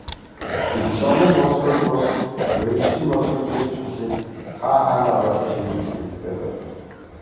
Дипломын боловсрол бус, мэргэжлийн боловсролыг чухлыг хаа хаанаа ойлгож хэрэгжүүлэх хэрэгтэй байна.